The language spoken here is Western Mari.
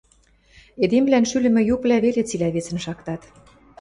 Эдемвлӓн шӱлӹмӹ юквлӓ веле цилӓ вецӹн шактат.